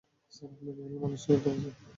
Sir, আপনি ভুল মানুষকে ধরেছেন।